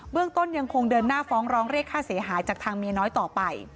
ต้นยังคงเดินหน้าฟ้องร้องเรียกค่าเสียหายจากทางเมียน้อยต่อไป